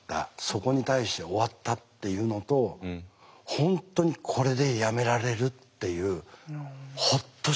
そこに対して終わったっていうのと本当にこれでやめられるっていうほっとした気持ちと。